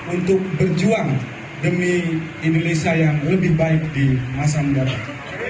untuk berjuang demi indonesia yang lebih baik di masa mendatang